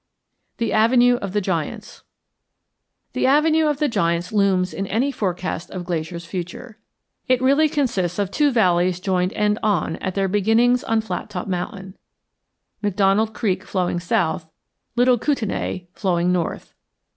THE AVENUE OF THE GIANTS The Avenue of the Giants looms in any forecast of Glacier's future. It really consists of two valleys joined end on at their beginnings on Flattop Mountain; McDonald Creek flowing south, Little Kootenai flowing north.